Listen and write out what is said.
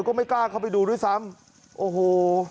ก็ไปดูด้วยซ้ำโอ้โห